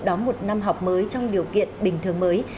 đón một năm học mới trong điều kiện bình thường mới